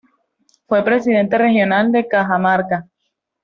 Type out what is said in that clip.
Fue Presidente Regional de Cajamarca.